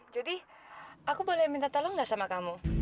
hai jody aku boleh minta tolong nggak sama kamu